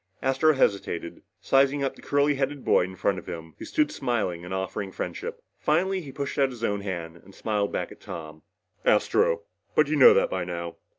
Astro hesitated, sizing up the curly headed boy in front of him, who stood smiling and offering friendship. Finally he pushed out his own hand and smiled back at Tom. "Astro, but you know that by now."